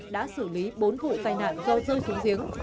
đã xử lý bốn vụ tai nạn do rơi xuống giếng